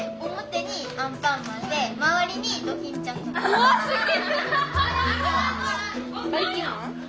うおすげえ！